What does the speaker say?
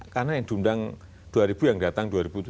karena yang diundang dua ribu yang datang dua ribu tujuh ratus